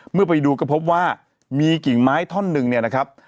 เมื่อไปดูก็พบว่ามีกิ่งไม้ท่อนหนึ่งเนี่ยนะครับ